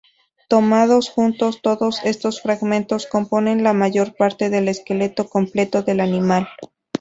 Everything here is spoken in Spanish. Tomados juntos, todos estos fragmentos componen la mayor parte del esqueleto completo del animal.